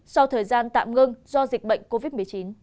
sau thời gian tạm ngưng do dịch bệnh covid một mươi chín